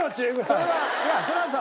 それはさ